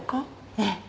ええ。